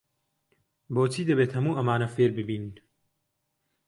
بۆچی دەبێت هەموو ئەمانە فێر ببین؟